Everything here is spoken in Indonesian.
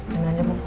demi nanti mah